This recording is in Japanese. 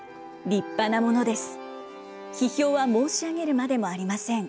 立派なものです。